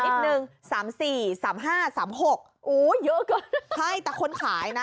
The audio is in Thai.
นิดนึง๓๔๓๕๓๖โอ้เยอะเกินใช่แต่คนขายนะ